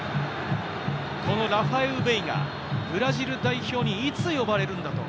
このラファエウ・ベイガ、ブラジル代表にいつ呼ばれるんだ？